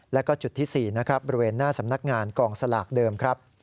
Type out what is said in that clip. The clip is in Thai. และจุดที่๔บริเวณหน้าสำนักงานกองสลากเดิม